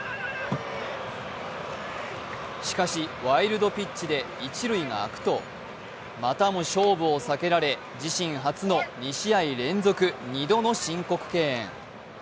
しかしワイルドピッチで一塁が空くとまたも勝負を避けられ自身初の２試合連続２度の申告敬遠。